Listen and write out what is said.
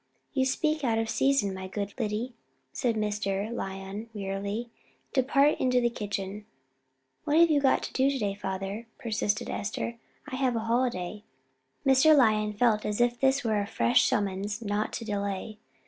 "You speak out of season, my good Lyddy," said Mr. Lyon, wearily; "depart into the kitchen." "What have you got to do to day, father?" persisted Esther. "I have a holiday." Mr. Lyon felt as if this were a fresh summons not to delay.